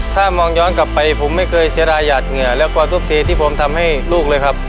ถ้ามองย้อนกลับไปผมไม่เคยเสียดายหยาดเหงื่อและความทุ่มเทที่ผมทำให้ลูกเลยครับ